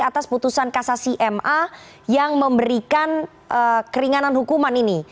atas putusan kasasi ma yang memberikan keringanan hukuman ini